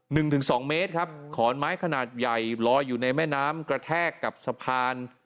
หนึ่งถึงสองเมตรครับขอนไม้ขนาดใหญ่ลอยอยู่ในแม่น้ำกระแทกกับสะพาน